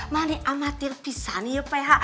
mana amatir pisah nih ya ph